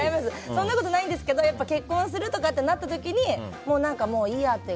そんなことないんですけど結婚するとかってなった時にもう何か、いいやって。